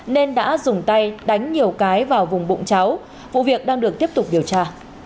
nên đã dùng tay đánh nhiều cái vào vùng bụng cháu vụ việc đang được tiếp tục điều tra